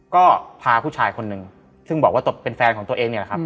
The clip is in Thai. ก็พาผู้ชายคนหนึ่งซึ่งบอกว่าเป็นแฟนของตัวเองเนี่ยแหละครับ